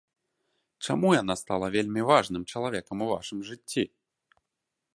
Чаму яна стала вельмі важным чалавекам у вашым жыцці?